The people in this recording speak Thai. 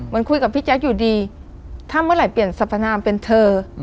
คุยกับพี่แจ๊คอยู่ดีถ้าเมื่อไหร่เปลี่ยนสรรพนามเป็นเธอ